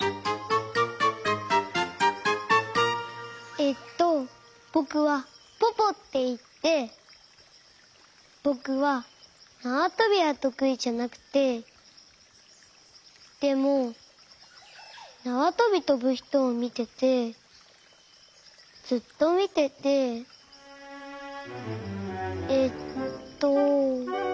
えっとぼくはポポっていってぼくはなわとびはとくいじゃなくてでもなわとびとぶひとをみててずっとみててえっと。